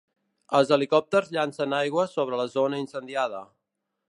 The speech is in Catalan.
Els helicòpters llencen aigua sobre la zona incendiada.